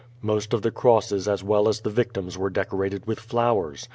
Most of the crosses as well as the vic tims were decorated with flowers.